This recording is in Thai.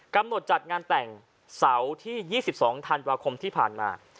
จัดงานแต่งเสาร์ที่๒๒ธันวาคมที่ผ่านมา